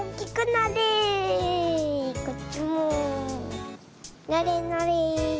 なれなれ。